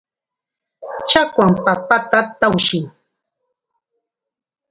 Chakwam papata tawshin.